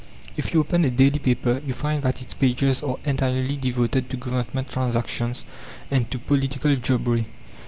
If you open a daily paper you find that its pages are entirely devoted to Government transactions and to political jobbery.